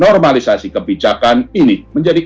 normalisasi kebijakan ini menjadi